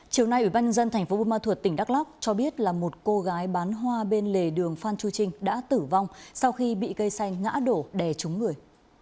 chiều nay ủy ban nhân dân tp hcm tỉnh đắk lóc cho biết là một cô gái bán hoa bên lề đường phan chu trinh đã tử vong sau khi bị cây xanh ngã đổ đè trúng người